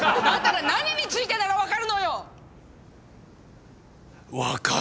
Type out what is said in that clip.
だったら何についてならわかるのよ！